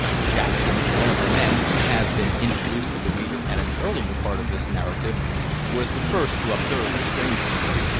Jackson, one of the men, who has been introduced to the reader at an earlier part of this narrative, was the first to observe the strangers.